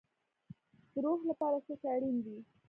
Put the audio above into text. د روح لپاره څه شی اړین دی؟